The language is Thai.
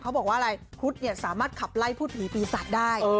เขาบอกว่าอะไรครุฑเนี่ยสามารถขับไล่พุทธผีปีศัตริย์ได้